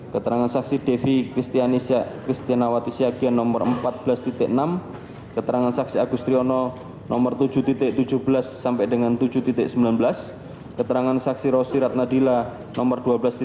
keterangan saksi yohanes ridhima nomor sembilan sembilan